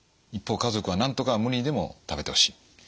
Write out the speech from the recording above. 一方家族はなんとか無理にでも食べてほしい。